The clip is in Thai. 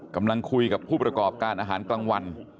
กำลังคุยกับผู้ประกอบการอาหารกลางวัน